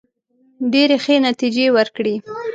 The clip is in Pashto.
ډېري ښې نتیجې وورکړې.